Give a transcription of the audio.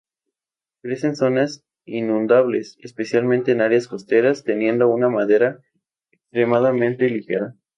Crece en zonas inundables, especialmente en áreas costeras, teniendo una madera extremadamente ligera.